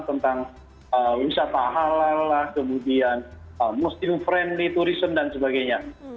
tentang wisata halal lah kemudian muslim friendly tourism dan sebagainya